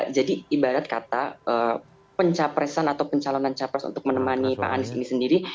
jadi ibarat kata pencapresan atau pencalonan capres untuk menemani pak anies ini sendiri